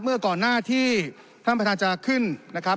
เมื่อก่อนหน้าที่ท่านประธานจะขึ้นนะครับ